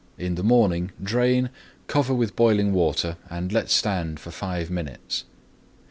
In the morning drain, cover with boiling water, and let stand for five minutes.